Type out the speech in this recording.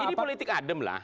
ini politik adem lah